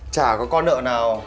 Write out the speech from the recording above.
chả có con nợ nào